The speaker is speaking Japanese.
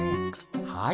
はい。